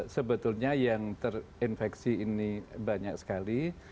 sebetulnya yang terinfeksi ini banyak sekali